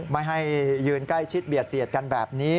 ไม่ให้ยืนใกล้ชิดเบียดเสียดกันแบบนี้